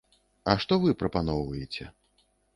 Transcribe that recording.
А што вы прапаноўваеце?